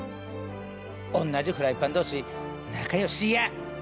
おんなじフライパン同士仲ようしいや。